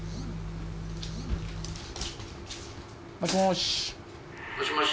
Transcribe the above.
もしもし。